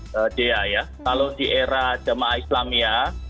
kalau di era jamaah islam ya